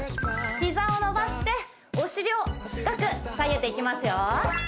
膝を伸ばしてお尻を深く下げていきますよ